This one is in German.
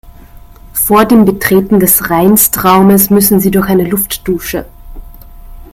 Vor dem Betreten des Reinstraumes müssen Sie durch eine Luftdusche.